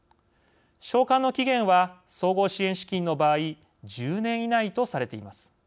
償還の期限は総合支援資金の場合１０年以内とされています。